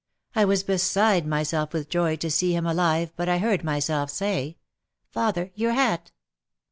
I was beside myself with joy to see him alive but I heard myself say, "Father, your hat!"